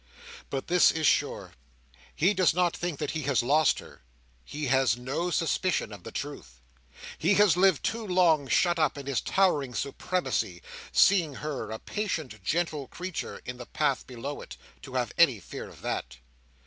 But this is sure; he does not think that he has lost her. He has no suspicion of the truth. He has lived too long shut up in his towering supremacy, seeing her, a patient gentle creature, in the path below it, to have any fear of that.